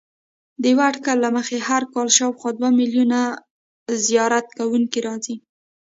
د یوه اټکل له مخې هر کال شاوخوا دوه میلیونه زیارت کوونکي راځي.